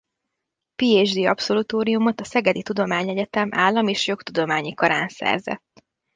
PhD abszolutóriumot a Szegedi Tudományegyetem Állam-és Jogtudományi Karán szerzett.